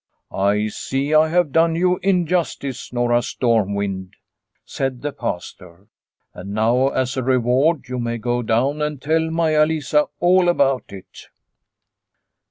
" I see I have done you injustice, Nora Storm wind," said the Pastor, " and now as a reward you may go down and tell Maia Lisa all about it."